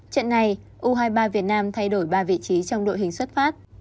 trận này u hai mươi ba việt nam thay đổi ba vị trí trong đội hình xuất phát